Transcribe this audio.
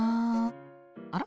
あら？